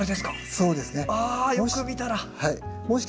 そうですね。